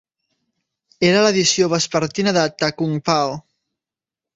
Era l'edició vespertina de "Ta Kung Pao".